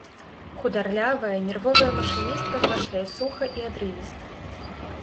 Хударлявая нервовая машыністка кашляе суха і адрывіста.